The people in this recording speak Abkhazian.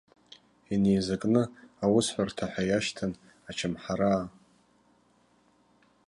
Инеизакны аусҳәарҭа ҳәа иашьҭан ачамҳараа.